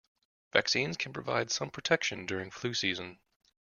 Vaccines can provide some protection during flu season.